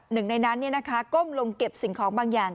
หนึ่งในนั้นเนี่ยนะคะก้มลงเก็บสิ่งของบางอย่าง